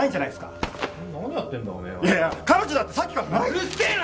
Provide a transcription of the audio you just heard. うるせえな！